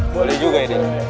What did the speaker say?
boleh boleh juga ya dia